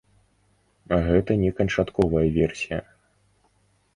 Гэта не канчатковая версія.